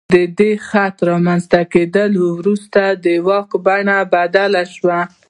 د خط له رامنځته کېدو وروسته د واک بڼه بدله شوه.